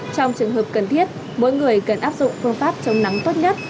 trong trường hợp cần thiết mỗi người cần áp dụng phương pháp chống nắng tốt nhất